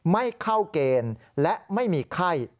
ไม่เข้าเกณฑ์และไม่มีไข้